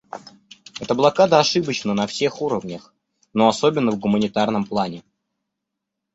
Эта блокада ошибочна на всех уровнях, но особенно в гуманитарном плане.